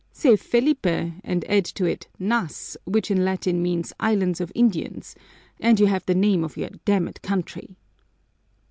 Say Felipe, and add to it nas, which in Latin means 'islands of Indians,' and you have the name of your damned country!"